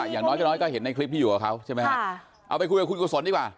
อย่างน้อยก็น้อยก็เห็นในคลิปที่อยู่กับเขาใช่ไหมฮะเอาไปคุยกับคุณกุศลดีกว่า